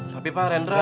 tapi pa rendera